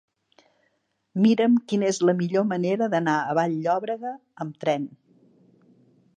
Mira'm quina és la millor manera d'anar a Vall-llobrega amb tren.